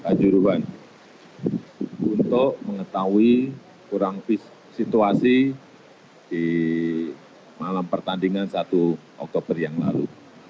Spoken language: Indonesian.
kanjuruhan untuk mengetahui kurang situasi di malam pertandingan satu oktober yang lalu